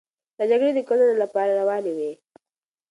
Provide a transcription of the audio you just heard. دا جګړې د کلونو لپاره روانې وې.